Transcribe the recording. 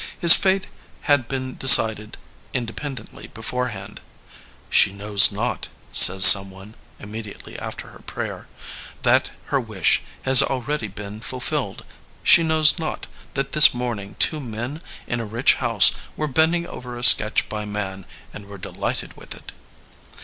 His fate had been de cided independently beforehand. She knows not, '' says Someone, immediately after her prayer, that her wish has already been fulfilled. She knows not that this morning two men in a rich house were bending over a sketch by Man and were delighted with it."